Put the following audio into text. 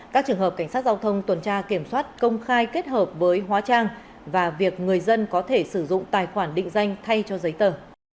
các trường hợp cảnh sát giao thông tuần tra kiểm soát công khai kết hợp với hóa trang và việc người dân có thể sử dụng tài khoản định danh thay cho giấy tờ